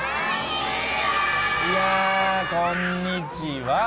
いやー、こんにちは。